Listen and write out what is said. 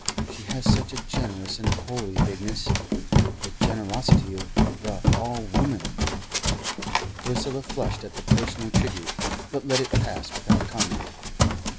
She has such a generous and holy bigness the generosity of the All woman." Ursula flushed at the personal tribute, but let it pass without comment.